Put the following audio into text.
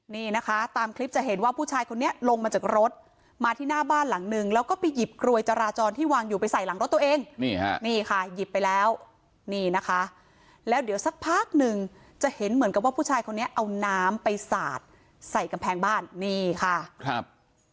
นี่นะคะตามคลิปจะเห็นว่าผู้ชายคนนี้ลงมาจากรถมาที่หน้าบ้านหลังนึงแล้วก็ไปหยิบกลวยจราจรที่วางอยู่ไปใส่หลังรถตัวเองนี่ฮะนี่ค่ะหยิบไปแล้วนี่นะคะแล้วเดี๋ยวสักพักหนึ่งจะเห็นเหมือนกับว่าผู้ชายคนนี้เอาน้ำไปสาดใส่กำแพงบ้านนี่ค่ะครับ